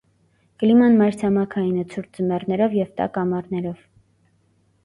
Կլիման մայրցամաքային է՝ ցուրտ ձմեռներով և տաք ամառներով։